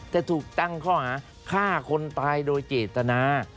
จะถูกตั้งข้อหาฆ่าคนตายโดยเจตนา